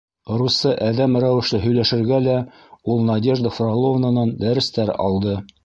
Русса әҙәм рәүешле һөйләшергә лә ул Надежда Фроловнанан дәрестәр алды.